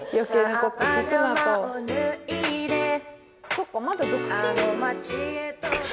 そっかまだ独身。